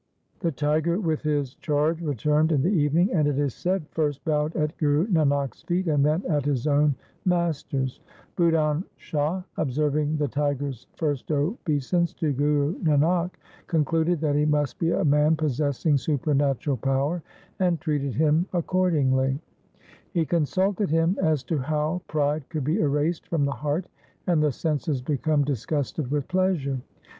The tiger with his charge returned in the evening, and, it is said, first bowed at Guru Nanak's feet and then at his own master's. Budhan Shah, 1 A revenue free tenure. LIFE OF GURU HAR GOBIND 141 observing the tiger's first obeisance to Guru Nanak, concluded that he must be a man possessing super natural power, and treated him accordingly. He consulted him as to how pride could be erased from the heart, and the senses become disgusted with pleasure.